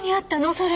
それ。